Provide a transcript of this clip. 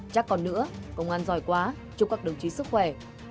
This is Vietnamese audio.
chắc còn nữa công an dòi quá chúc các đồng chí sức khỏe